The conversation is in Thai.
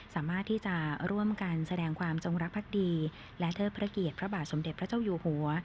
สามารถที่จะร่วมกันแสดงความจงรักภักดีและเทิดพระเกียรติพระบาทสมเด็จพระเจ้าอยู่หัว